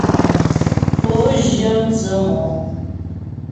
Pǒ zhyə mdzə̌ mɔ́.